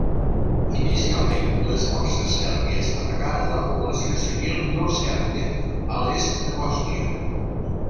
Inicialment, les forces sèrbies atacaren la població civil no sèrbia a l'est de Bòsnia.